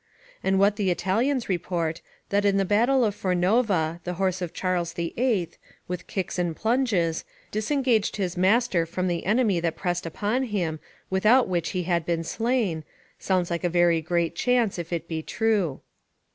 And what the Italians report, that in the battle of Fornova, the horse of Charles VIII., with kicks and plunges, disengaged his master from the enemy that pressed upon him, without which he had been slain, sounds like a very great chance, if it be true.